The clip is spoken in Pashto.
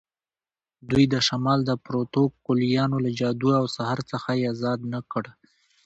دوی د شمال د پروتوکولیانو له جادو او سحر څخه یې آزاد نه کړ.